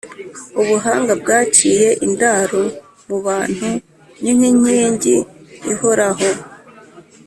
Ubuhanga Bwaciye indaro mu bantu, ni inkingi ihoraho,